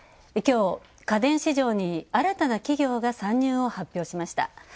きょう、家電市場に新たな企業が参入を発表しました。